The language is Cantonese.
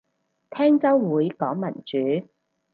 聽週會講民主